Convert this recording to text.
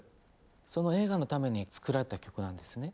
その映画のために作られた曲なんですね。